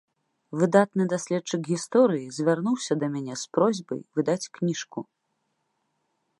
Выдатны даследчык гісторыі звярнуўся да мяне з просьбай выдаць кніжку.